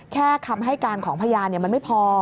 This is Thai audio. คำให้การของพยานมันไม่พอ